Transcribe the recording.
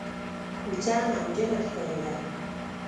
کوڅه نمجنه ښکارېده.